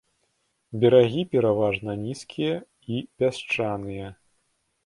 Берагі пераважна нізкія і пясчаныя.